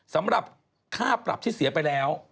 สำหรับค่าปรับที่เสียไปแล้ว